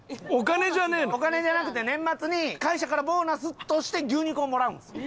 お金じゃなくて年末に会社からボーナスとして牛肉をもらうんですよ。